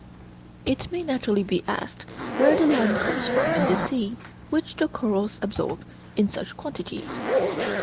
It may naturally be asked where the lime comes from in the sea which the corals absorb in such quantities.